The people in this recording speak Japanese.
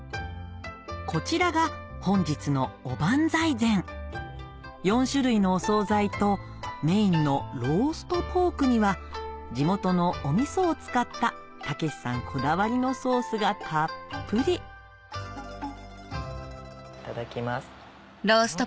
こちらが本日の４種類のお総菜とメインのローストポークには地元のお味噌を使った猛さんこだわりのソースがたっぷりいただきます。